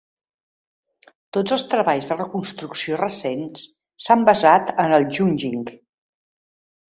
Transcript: Tots els treballs de reconstrucció recents s'han basat en el "yunjing".